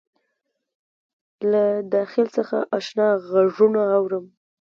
له داخل څخه آشنا غــږونه اورم